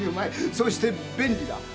そして便利だ。